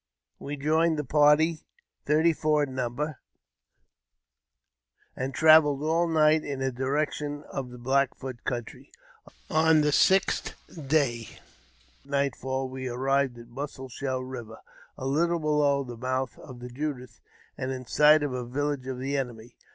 We joined the party, thirty four in number, and travelled all night in the direction of the Black Foot country. On the sixth day, at nightfall, we arrived at the Mussel Shell Eiver, a little below the mouth of the Judith, and ' in sight of a village of the enemy.